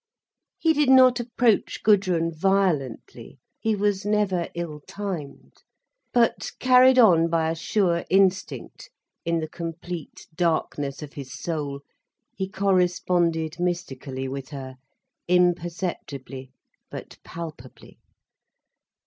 He did not approach Gudrun violently, he was never ill timed. But carried on by a sure instinct in the complete darkness of his soul, he corresponded mystically with her, imperceptibly, but palpably.